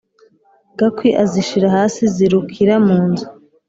gakwi azishira hasi zirukira mu nzu